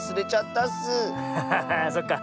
ハハハハーそっか。